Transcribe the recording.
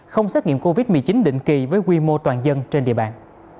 không xét nghiệm covid một mươi chín định kỳ với quy mô toàn dân trên địa bàn